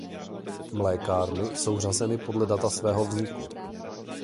Mlékárny jsou řazeny podle data svého vzniku.